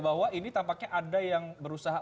bahwa ini tampaknya ada yang berusaha